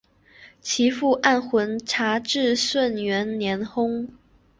其父按浑察至顺元年薨。